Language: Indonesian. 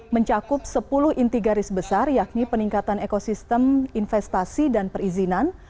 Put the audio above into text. mencakup sepuluh inti garis besar yakni peningkatan ekosistem investasi dan perizinan